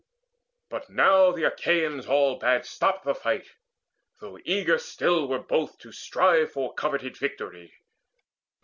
But now the Achaeans all Bade stop the fight, though eager still were both To strive for coveted victory.